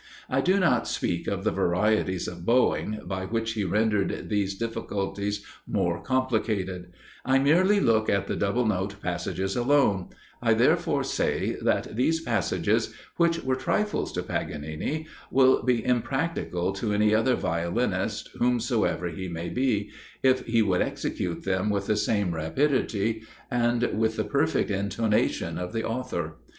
I do not speak of the varieties of bowing, by which he rendered these difficulties more complicated, I merely look at the double note passages alone, I therefore say, that these passages, which were trifles to Paganini, will be impracticable to any other violinist whomsoever he may be, if he would execute them with the same rapidity and with the perfect intonation of the author.